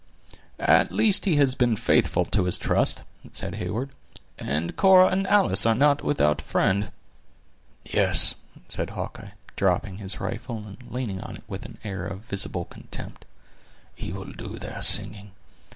"At least he has been faithful to his trust," said Heyward. "And Cora and Alice are not without a friend." "Yes," said Hawkeye, dropping his rifle, and leaning on it with an air of visible contempt, "he will do their singing.